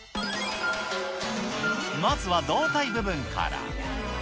まずは胴体部分から。